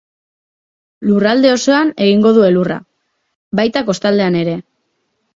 Lurralde osoan egingo du elurra, baita kostaldean ere.